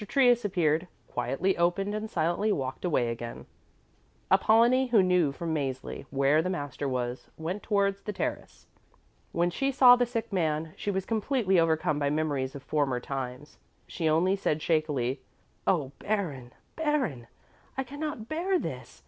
Trius appeared, quietly opened and silently walked away again. Apollonie, who knew from Mäzli where the master was, went towards the terrace. When she saw the sick man, she was completely overcome by memories of former times. She only said shakily, "Oh, Baron, Baron! I cannot bear this!